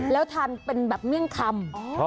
แล้วทานเป็นแบบเมี่ยงคำ